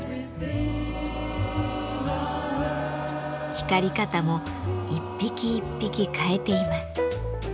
光り方も一匹一匹変えています。